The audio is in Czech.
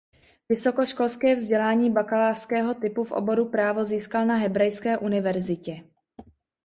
Vysokoškolské vzdělání bakalářského typu v oboru právo získal na Hebrejské univerzitě.